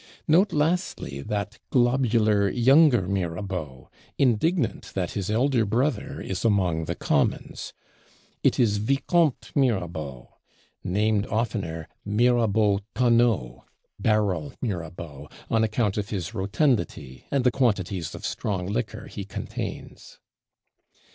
Note lastly that globular Younger Mirabeau, indignant that his elder Brother is among the Commons; it is Viscomte Mirabeau; named oftener Mirabeau Tonneau (Barrel Mirabeau), on account of his rotundity, and the quantities of strong liquor he contains.